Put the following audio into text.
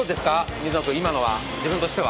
水野君、今のは自分としては？